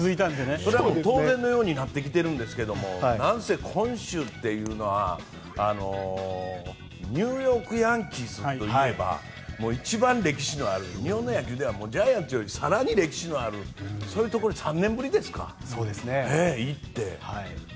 それが当然のようになってきているんですがなんせ、今週というのはニューヨーク・ヤンキースといえば一番歴史のある日本の野球で言えばジャイアンツよりも更に歴史のあるところで３年ぶりですか、行って。